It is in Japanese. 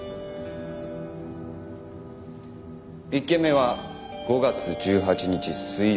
１件目は５月１８日水曜。